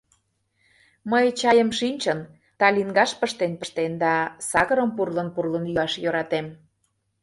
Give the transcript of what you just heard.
Мый чайым шинчын, талингаш пыштен-пыштен да сакырым пурлын-пурлын йӱаш йӧратем...